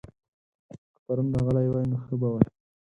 که پرون راغلی وای؛ نو ښه به وای